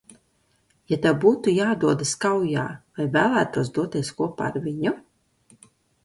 Ja tev būtu jādodas kaujā, vai vēlētos doties kopā ar viņu?